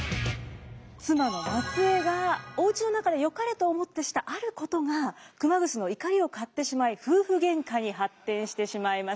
妻の松枝がおうちの中でよかれと思ってしたあることが熊楠の怒りを買ってしまい夫婦喧嘩に発展してしまいました。